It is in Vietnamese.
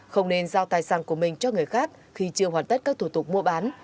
không nên giao tài sản của mình cho người khác khi chưa hoàn tất các thủ tục mua bán